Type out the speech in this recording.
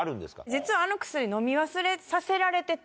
実はあの薬飲み忘れさせられてて。